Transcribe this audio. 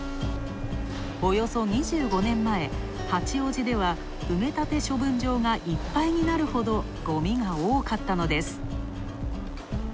およそ２５年前、八王子では埋め立て処分場がいっぱいになるほどごみが多かったのです。